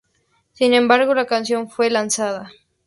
Sin embargo, la canción nunca fue lanzada.